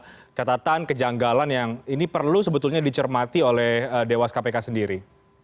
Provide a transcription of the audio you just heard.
ada catatan kejanggalan yang ini perlu sebetulnya dicermati oleh dewas kpk sendiri